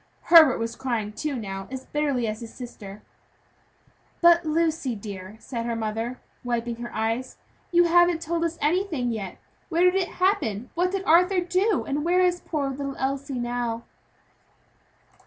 Herbert was crying, too, now, as bitterly as his sister. "But, Lucy dear," said her mother, wiping her eyes, "you haven't told us anything yet. Where did it happen? What did Arthur do? And where is poor little Elsie now?"